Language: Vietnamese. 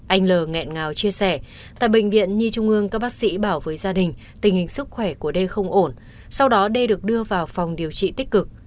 anh l nghẹn ngào chia sẻ tại bệnh viện nhi trung ương các bác sĩ bảo với gia đình tình hình sức khỏe của đê không ổn sau đó d được đưa vào phòng điều trị tích cực